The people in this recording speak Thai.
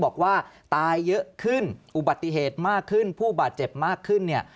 บอกว่าตายเยอะขึ้นอุบัติเหตุมากขึ้นผู้บาดเจ็บมากขึ้นเนี่ย